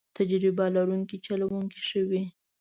تجربه لرونکی چلوونکی ښه وي.